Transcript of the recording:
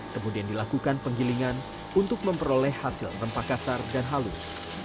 kemudian dilakukan penggilingan untuk memperoleh hasil rempah kasar dan halus